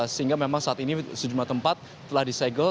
sehingga memang saat ini sejumlah tempat telah disegel